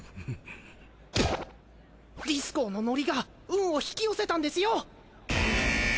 ディスコウのノリが運を引き寄せたんですよ！